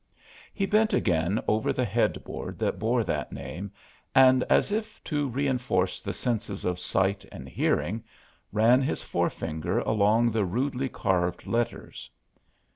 He bent again over the headboard that bore that name and as if to reinforce the senses of sight and hearing ran his forefinger along the rudely carved letters.